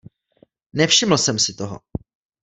Nevšiml jsem si toho.